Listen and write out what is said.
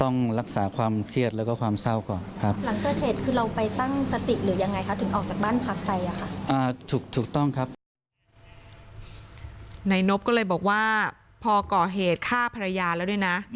นายนบก็เลยบอกว่าพอก่อเหตุฆ่าภรรยาแล้วด้วยนะ